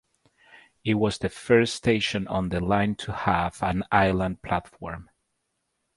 It was the first station on the line to have an island platform.